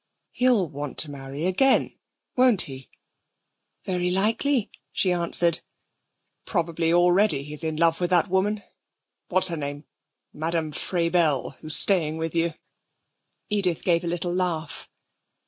'He'll want to marry again, won't he?' 'Very likely,' she answered. 'Probably already he's in love with that woman What's her name Madame Frabelle who's staying with you.' Edith gave a little laugh.